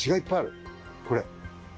これ。